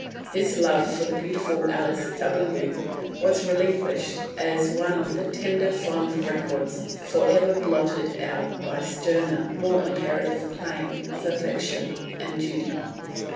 His love for the beautiful Alice W——n was relinquished as one of the "tender fond records" for ever blotted out by a sterner, more imperative claim of affection and duty.